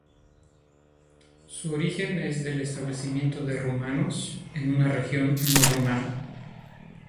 Su origen es del establecimiento de rumanos en una región no rumana.